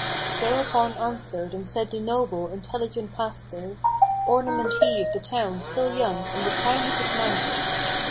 Thereupon answered and said the noble, intelligent pastor; Ornament he of the town, still young, in the prime of his manhood.